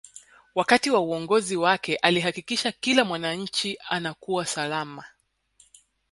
wakati wa uongozi wake alihakikisha kila mwananchi anakuwa salama